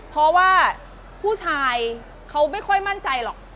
เพราะว่าผู้ชายเขาไม่ค่อยมั่นใจหรอก